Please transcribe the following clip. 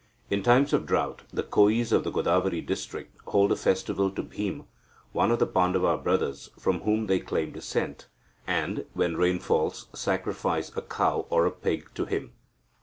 In times of drought, the Koyis of the Godavari district hold a festival to Bhima, one of the Pandava brothers from whom they claim descent, and, when rain falls, sacrifice a cow or a pig to him.